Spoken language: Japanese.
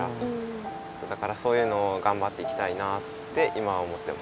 だからそういうのをがんばっていきたいなって今は思ってます。